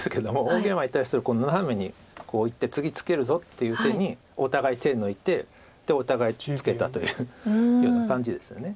大ゲイマに対するこのナナメにいって次ツケるぞっていう手にお互い手抜いてでお互いツケたというような感じですよね。